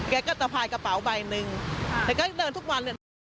แกก็สะพายกระเป๋าใบหนึ่งแกก็เดินทุกวันเลยนะ